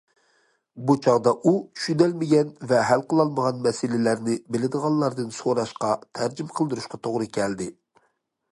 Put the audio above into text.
بۇ چاغدا ئۇ چۈشىنەلمىگەن ۋە ھەل قىلالمىغان مەسىلىلەرنى بىلىدىغانلاردىن سوراشقا، تەرجىمە قىلدۇرۇشقا توغرا كەلدى.